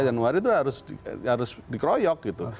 januari itu harus dikroyok gitu